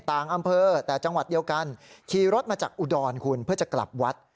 ต่างอำเภอแต่จังหวัดเดียวกันขี่รถมาจากอุดรคุณเพื่อจะกลับวัด